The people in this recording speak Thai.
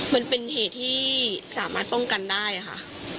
มันเป็นเหตุที่สามารถป้องกันได้ค่ะ